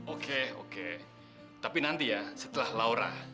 oke oke tapi nanti ya setelah laura